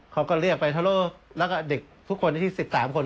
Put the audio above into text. เขาก็เรียกไปทะโลแล้วก็เด็กทุกคนที่๑๓คน